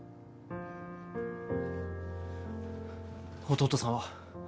弟さんは？